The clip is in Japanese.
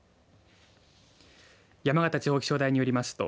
山形地方気象台によりますと